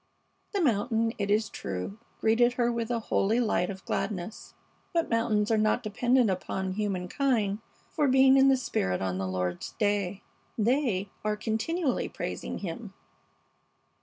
The mountain, it is true, greeted her with a holy light of gladness, but mountains are not dependent upon humankind for being in the spirit on the Lord's day. They are "continually praising Him."